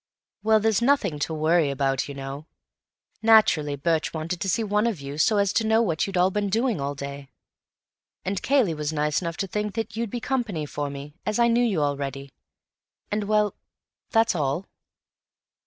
"Well, there's nothing to worry about, you know. Naturally Birch wanted to see one of you so as to know what you'd all been doing all day. And Cayley was nice enough to think that you'd be company for me, as I knew you already. And—well, that's all."